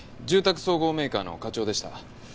住宅総合メーカーの課長でした。